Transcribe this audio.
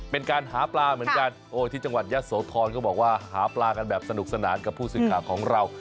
เป็นการหาปลาเหมือนกันโอ้ที่จังหวัดยะโสธรก็บอกว่าหาปลากันแบบสนุกสนานกับผู้สื่อข่าวของเรา